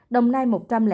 đồng nai một năm